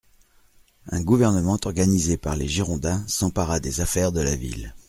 Un gouvernement organisé par les Girondins s'empara des affaires de la ville.